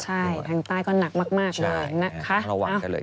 ใช่หน้าตรักภาคก็นักมากเลย